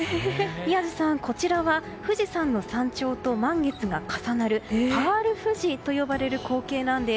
宮司さん、こちらは富士山の山頂と満月が重なるパール富士と呼ばれる光景なんです。